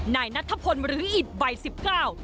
นายนัทพลหรืออิทใบ๑๙ปี